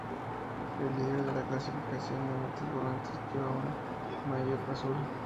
El líder de la clasificación de metas volantes lleva un maillot azul.